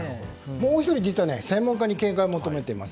もう１人、実は専門家に見解を求めています。